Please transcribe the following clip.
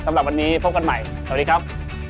สำหรับวันนี้พบกันใหม่สวัสดีครับ